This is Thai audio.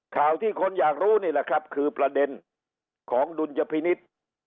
ข่าวที่คนอยากรู้นี่แหละครับคือประเด็นของดุลยพินิษฐ์